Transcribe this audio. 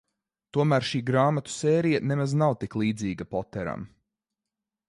Tomēr šī grāmatu sērija nemaz nav tik līdzīga Poteram.